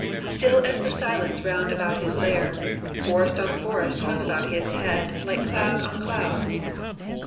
Still as the silence round about his lair; Forest on forest hung about his head Like cloud on cloud."